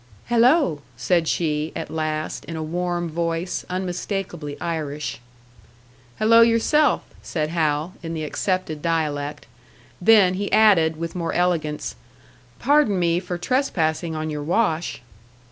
"Hello," said she, at last, in a warm voice, unmistakably Irish. "Hello yourself," said Hal, in the accepted dialect; then he added, with more elegance, "Pardon me for trespassing on your wash."